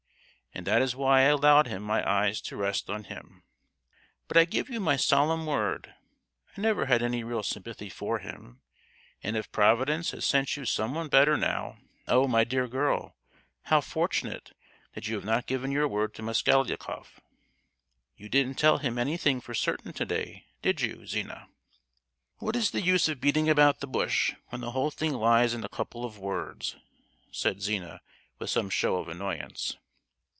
and that is why I allowed my eyes to rest on him. But I give you my solemn word, I never had any real sympathy for him! and if Providence has sent you someone better now, oh, my dear girl, how fortunate that you have not given your word to Mosgliakoff! You didn't tell him anything for certain to day, did you, Zina?" "What is the use of beating about the bush, when the whole thing lies in a couple of words?" said Zina, with some show of annoyance.